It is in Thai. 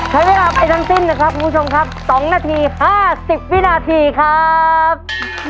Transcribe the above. ใช้เวลาไปทั้งสิ้นนะครับคุณผู้ชมครับ๒นาที๕๐วินาทีครับ